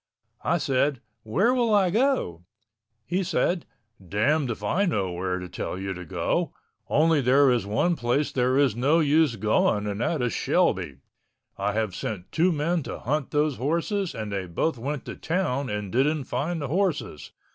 I said, "Where will I go?" He said, "Damned if I know where to tell you to go, only there is one place there is no use going and that is Shelby. I have sent two men to hunt those horses and they both went to town and didn't find the horses.